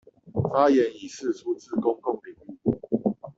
發言以釋出至公眾領域